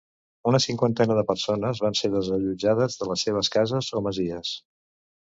Una cinquantena de persones van ser desallotjades de les seves cases o masies.